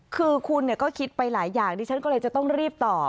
คือคุณก็คิดไปหลายอย่างดิฉันก็เลยจะต้องรีบต่อ